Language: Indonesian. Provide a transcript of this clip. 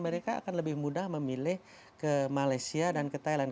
mereka akan lebih mudah memilih ke malaysia dan ke thailand